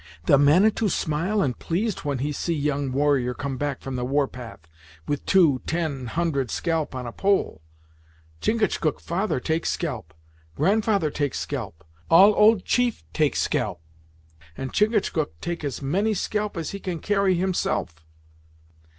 The Manitou smile and pleased when he see young warrior come back from the war path, with two, ten, hundred scalp on a pole! Chingachgook father take scalp grandfather take scalp all old chief take scalp, and Chingachgook take as many scalp as he can carry, himself."